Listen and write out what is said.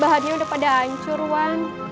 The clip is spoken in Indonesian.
bahannya udah pada hancur bang